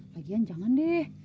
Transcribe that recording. lagian jangan deh